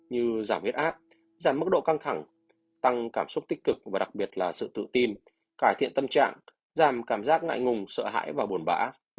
như giảm huyết áp giảm mức độ căng thẳng tăng cảm xúc tích cực và đặc biệt là sự tự tin cải thiện tâm trạng giảm cảm giác ngại ngùng sợ hãi và buồn bã